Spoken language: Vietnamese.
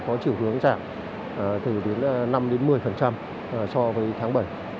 có chiều hướng giảm từ đến năm một mươi so với tháng bảy